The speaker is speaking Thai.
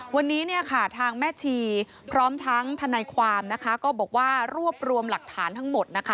วันนี้ทางแม่ชีพร้อมทั้งทนายความก็บอกว่ารวบรวมหลักฐานทั้งหมด